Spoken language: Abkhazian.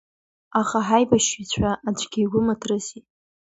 Аха ҳаибашьыҩцәа аӡәгьы игәы мыҭрысит.